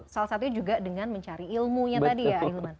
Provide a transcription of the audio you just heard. salah satunya juga dengan mencari ilmunya tadi ya ahilman